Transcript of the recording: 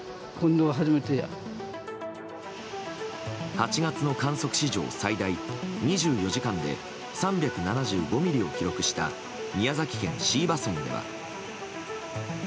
８月の観測史上最大２４時間で３７５ミリを記録した宮崎県椎葉村では。